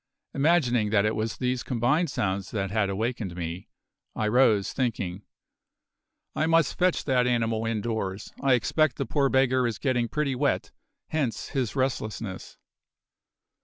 Imagining that it was these combined sounds that had awakened me, I rose, thinking: "I must fetch that animal indoors. I expect the poor beggar is getting pretty wet, hence his restlessness."